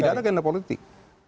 tidak ada agenda politik